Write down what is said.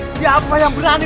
siapa yang berani